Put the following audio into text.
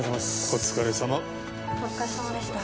お疲れさまでした。